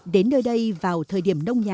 đến nơi đây vào thời điểm nông thôn